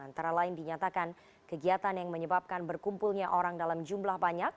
antara lain dinyatakan kegiatan yang menyebabkan berkumpulnya orang dalam jumlah banyak